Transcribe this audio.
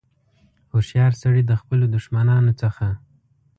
هوښیار سړي د خپلو دښمنانو څخه.